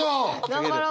頑張ろう。